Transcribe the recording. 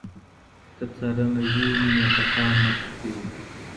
که څارنه وي نو خطا نه پټېږي.